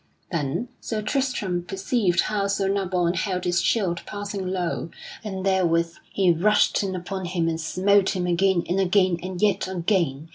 Then Sir Tristram perceived how Sir Nabon held his shield passing low, and therewith he rushed in upon him and smote him again and again and yet again.